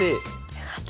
よかった。